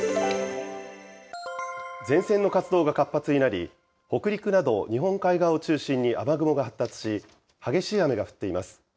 前線の活動が活発になり、北陸など日本海側を中心に雨雲が発達し、激しい雨が降っています。